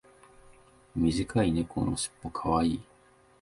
短い猫のしっぽ可愛い。